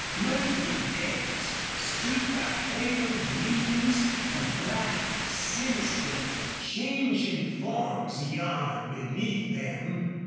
Murky depths, streaked by pale gleams, and black, sinister, changing forms yawned beneath them.